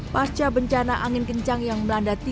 pasca bencana angin kencang yang melanda